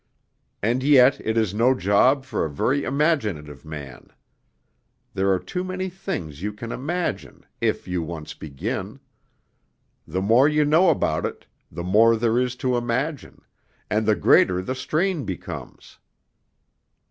And yet it is no job for a very imaginative man. There are too many things you can imagine, if you once begin. The more you know about it, the more there is to imagine, and the greater the strain becomes.